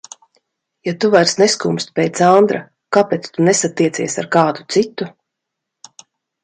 Ja tu vairs neskumsti pēc Andra, kāpēc tu nesatiecies ar kādu citu?